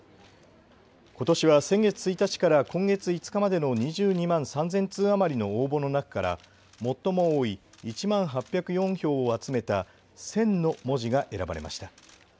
ことしは先月１日から今月５日までの２２万３０００通余りの応募の中から最も多い１万８０４票を集めた戦の文字が選ばれました。